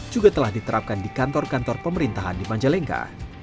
juga telah diterapkan di kantor kantor pemerintahan di majalengka